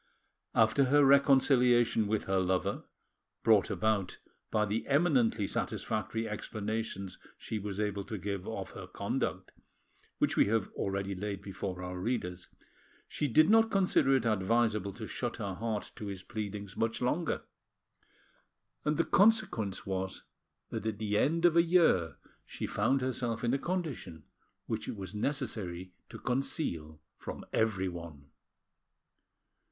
After her reconciliation with her lover, brought about by the eminently satisfactory explanations she was able to give of her conduct, which we have already laid before our readers, she did not consider it advisable to shut her heart to his pleadings much longer, and the consequence was that at the end of a year she found herself in a condition which it was necessary to conceal from everyone.